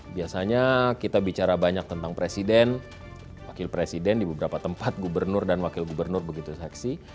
biasanya kita bicara banyak tentang presiden wakil presiden di beberapa tempat gubernur dan wakil gubernur begitu seksi